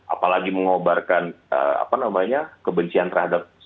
apalagi mengobarkan kebencian terhadap